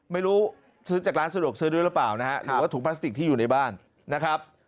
ไม่รู้ซื้อจากร้านสะดวกซื้อด้วยหรือเปล่านะฮะหรือว่าถุงพลาสติกที่อยู่ในบ้านนะครับ